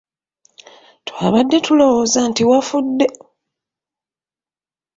Twabadde tulowooza nti wafudde!